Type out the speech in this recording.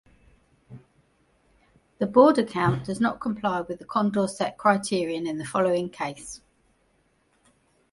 The Borda count does not comply with the Condorcet criterion in the following case.